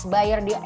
bayar di indonesia